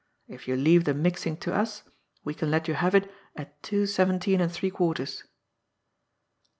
If you leave the mixing to us, we can let you have it at two seventeen and three quarters."